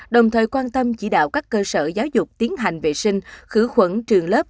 đồng thời quan tâm chỉ đạo các cơ sở giáo dục tiến hành vệ sinh khử khuẩn trường lớp